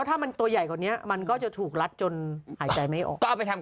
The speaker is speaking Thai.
ต้องให้คุณพี่ม้าแหละแต่งตัวเซ็กซี่แล้วก็ไปล่อ